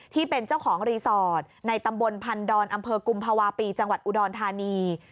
ที่เป็นเจ้าของรีสอร์ทในตำบลพันดอนอำเภอกุมภาวะปีจังหวัดอุดรธานี